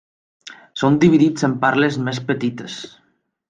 Són dividits en parles més petites.